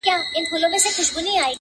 نوش جان دي سه زما غوښي نوشوه یې -